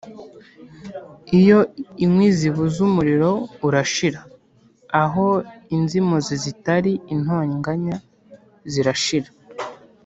iyo inkwi zibuze umuriro urashira, aho inzimuzi zitari intonganya zirashira